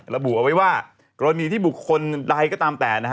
ระบุเอาไว้ว่ากรณีที่บุคคลใดก็ตามแต่